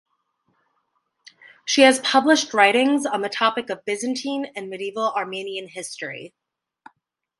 She has published writings on the topic of Byzantine and medieval Armenian history.